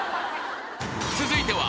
［続いては］